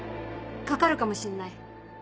かかるかもしんない。